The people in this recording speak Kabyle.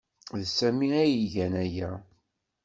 D Sami ay igan aya.